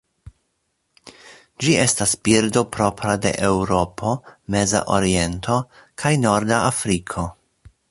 Ĝi estas birdo propra de Eŭropo, Meza Oriento kaj Norda Afriko.